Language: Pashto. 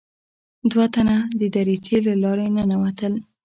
دوه تنه د دريڅې له لارې ننوتل.